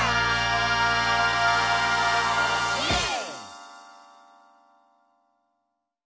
イエーイ！